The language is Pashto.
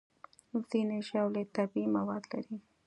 ځینې ژاولې طبیعي مواد لري.